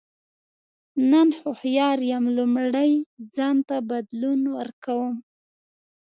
نن هوښیار یم لومړی ځان ته بدلون ورکوم.